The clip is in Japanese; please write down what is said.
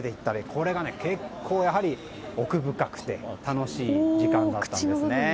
これが結構、奥深くて楽しい時間だったんですね。